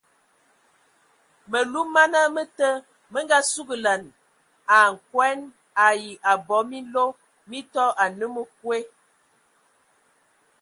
Məluməna mə te mə ngasugəlan a koɛn ai abɔ minlo mi tɔ anə məkwe.